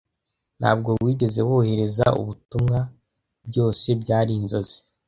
Ntabwo wigeze wohereza ubutumwa, "byose byari inzozi"